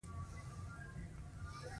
کله چې پخه شي نو دیګ په بل مخ واړوي.